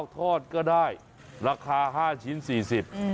ทอดก็ได้ราคา๕ชิ้น๔๐บาท